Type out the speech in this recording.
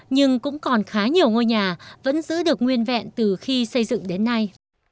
nhưng cũng còn khá nhiều ngôi nhà vẫn giữ được nguyên vẹn từ khi xây dựng đến nay